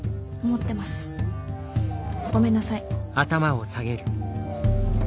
ごめんなさい。